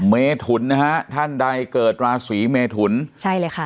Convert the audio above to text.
เมถุนนะฮะท่านใดเกิดราศีเมทุนใช่เลยค่ะ